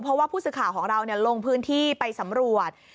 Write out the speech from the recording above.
เพราะว่าผู้สื่อข่าวของเราลงพื้นที่ไปสำรวจ